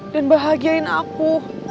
dan bahagiain aku